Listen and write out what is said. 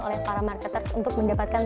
oleh para marketers untuk mendapatkan